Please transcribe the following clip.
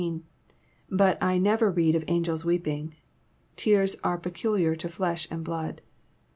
but I never read of angels weeping. Tears are peculiar to flesh and blood.